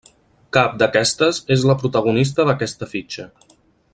Cap d'aquestes és la protagonista d'aquesta fitxa.